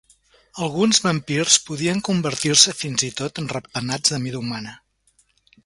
Alguns vampirs podien convertir-se fins i tot en ratpenats de mida humana.